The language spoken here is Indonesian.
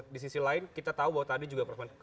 di sisi lain kita tahu bahwa tadi juga